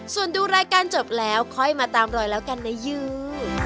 ส่วนดูรายการจบแล้วค่อยมาตามรอยแล้วกันนะยู